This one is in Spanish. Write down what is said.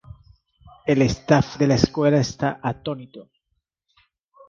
El staff de la Escuela está atónito.